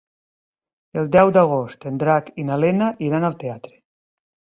El deu d'agost en Drac i na Lena iran al teatre.